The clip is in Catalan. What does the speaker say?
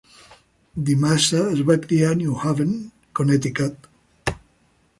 DiMassa es va criar a New Haven, Connecticut.